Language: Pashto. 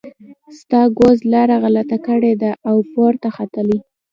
ستا ګوز لاره غلطه کړې ده او پورته ختلی.